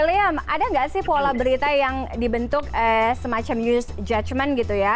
william ada nggak sih pola berita yang dibentuk semacam use judgment gitu ya